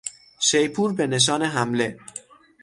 شیپور به نشان حمله